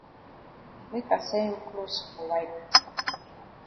Make I send you closs for wipe.